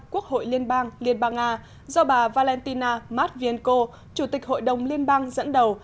quốc hội liên bang liên bang nga do bà valentina matvienko chủ tịch hội đồng liên bang dẫn đầu